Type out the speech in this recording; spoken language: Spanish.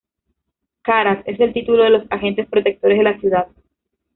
Karas: Es el título de los agentes protectores de la ciudad.